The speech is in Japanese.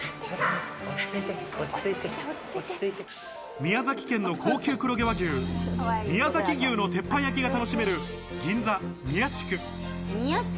宮崎県の高級黒毛和牛、宮崎牛の鉄板焼きが楽しめる、銀座みやちく。